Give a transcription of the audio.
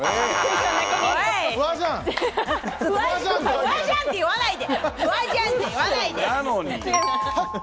フワじゃんって言わないで！